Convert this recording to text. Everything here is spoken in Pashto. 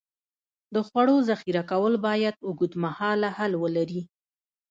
د خوړو ذخیره کول باید اوږدمهاله حل ولري.